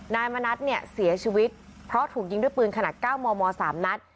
นายมณัฐเนี่ยเสียชีวิตเพราะถูกยิงด้วยปืนขนาด๙มม๓นัด